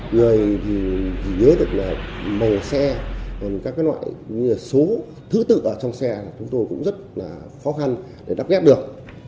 người thì nhớ được là màu xe các loại số thứ tự ở trong xe chúng tôi cũng rất khó khăn để đáp ghép được